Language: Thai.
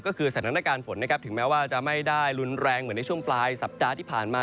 ก็คือสถานการณ์ฝนนะครับถึงแม้ว่าจะไม่ได้รุนแรงเหมือนในช่วงปลายสัปดาห์ที่ผ่านมา